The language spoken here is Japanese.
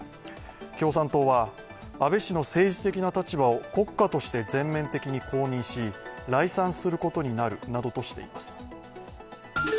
共産党は、安倍氏の政治的な立場を国家として全面的に公認し礼賛することになるなどとしています。